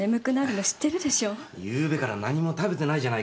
昨夜から何も食べてないじゃないか。